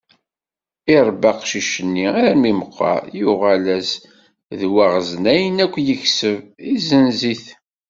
Iṛebba aqcic-nni armi meqqer, yuγal-as d waγzen ayen akk yekseb, yesenz-it.